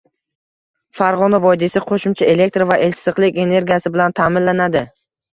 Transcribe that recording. Farg‘ona vodiysi qo‘shimcha elektr va issiqlik energiyasi bilan ta’minlanadi